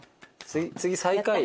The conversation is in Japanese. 次最下位？